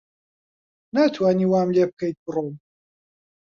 ناتوانی وام لێ بکەیت بڕۆم.